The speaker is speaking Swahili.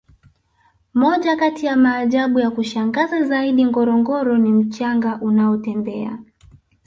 moja kati ya maajabu ya kushangaza zaidi ngorongoro ni mchanga unaotembea